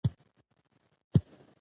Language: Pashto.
ټکنالوژي د خلکو ژوند لنډوي او اسانوي.